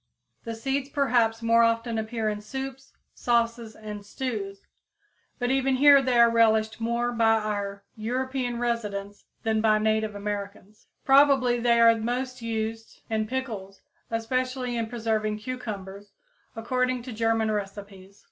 The seeds perhaps more often appear in soups, sauces and stews, but even here they are relished more by our European residents than by native Americans. Probably they are most used in pickles, especially in preserving cucumbers according to German recipes.